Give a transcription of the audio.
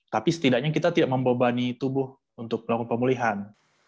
tapi setidaknya kita tidak membebani tubuh untuk melakukan pemulihan